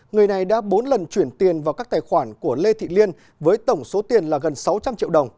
người này đã bốn lần chuyển tiền vào các tài khoản của lê thị liên với tổng số tiền là gần sáu trăm linh triệu đồng